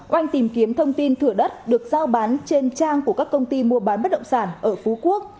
oanh tìm kiếm thông tin thửa đất được giao bán trên trang của các công ty mua bán bất động sản ở phú quốc